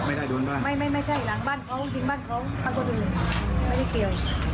ไม่ใช่หลังบ้างเขาทิ้งบ้างเขากดอื่นไม่ได้เกี่ยว